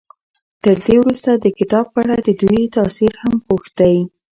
تر دې وروسته د کتاب په اړه د دوی تأثر هم پوښتئ.